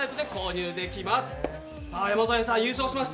山添さん、優勝しました。